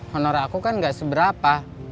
honor aku kan gak seberapa